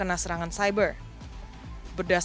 untuk memperbaiki kekuatan yang terhadap perusahaan